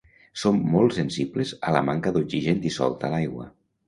Són molt sensibles a la manca d'oxigen dissolt a l'aigua.